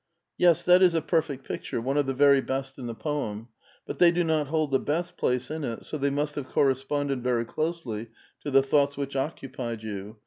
'^ Yes, that is a perfect picture, — one of the very best in the poem. But they do not hold the best place in it, so they must have corresponded very closely to the thoughts which occupied you.